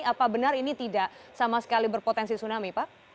apa benar ini tidak sama sekali berpotensi tsunami pak